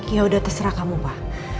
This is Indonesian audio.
ya udah terserah kamu pak